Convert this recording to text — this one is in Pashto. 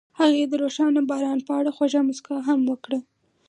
هغې د روښانه باران په اړه خوږه موسکا هم وکړه.